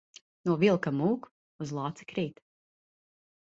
No vilka mūk, uz lāci krīt.